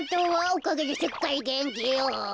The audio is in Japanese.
おかげですっかりげんきよ。